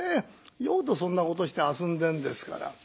酔うとそんなことして遊んでんですから。